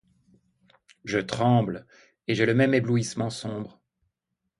Je tremble, et j'ai le même éblouissement sombre